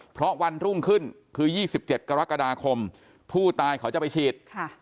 เพราะวันรุ่งขึ้นคือ๒๗กรกฎาคมผู้ตายเขาจะไปฉีด